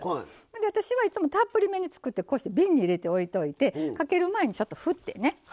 私は、いつもたっぷりめに作って瓶に入れて置いといてかける前に、ちょっと振って。